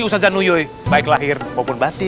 ustazah nuyuy baik lahir maupun batin